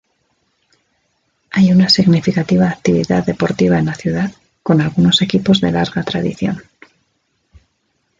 Hay una significativa actividad deportiva en la ciudad, con algunos equipos de larga tradición.